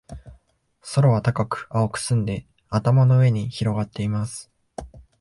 空は高く、青く澄んで、頭の上に広がっています。